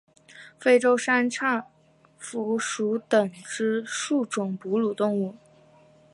非洲三叉蝠属等之数种哺乳动物。